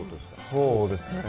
そうですね。